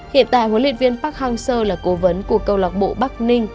hiện tại huấn luyện viên park hang seo là cố vấn của câu lạc bộ bắc ninh